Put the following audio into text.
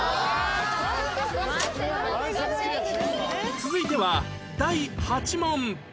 続いては第８問